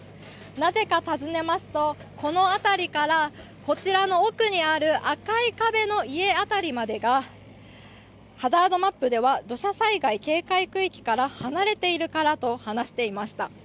なぜか尋ねますと、この辺りからこちらの奥にある赤い壁の家あたりまでがハザードマップでは土砂災害警戒区域から離れているからと話していました。